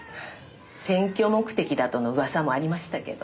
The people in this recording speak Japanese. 選挙目的だとの噂もありましたけど。